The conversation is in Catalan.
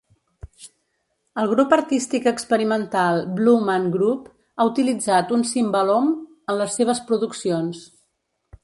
El grup artístic experimental Blue Man Group ha utilitzat un cimbalom en les seves produccions.